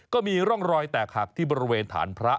ก็มีร่องรอยแตกหักที่บริเวณฐานพระ